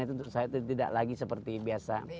itu tidak lagi seperti biasa